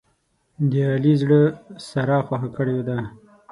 د علي زړه ساره خوښه کړې ده.